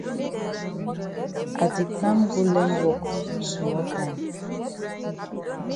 I di kam go learn wok small time.